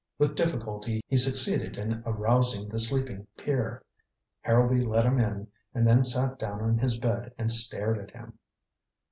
With difficulty he succeeded in arousing the sleeping peer. Harrowby let him in, and then sat down on his bed and stared at him.